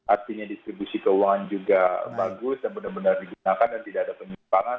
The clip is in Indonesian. artinya distribusi keuangan juga bagus dan benar benar digunakan dan tidak ada penyimpangan